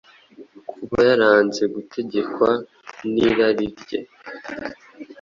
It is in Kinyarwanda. kuba yaranze gutegekwa n’irari rye,